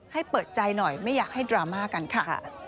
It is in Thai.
ให้เปิดใจหน่อยไม่อยากให้ดราม่ากันค่ะ